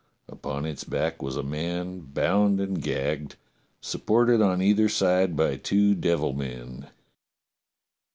Upon its back was a man bound and gagged, supported on either side by two devil men.